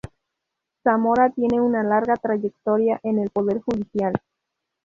Zamora tiene una larga trayectoria en el Poder Judicial.